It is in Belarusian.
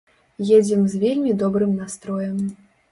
Едзем з вельмі добрым настроем.